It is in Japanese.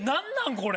これ。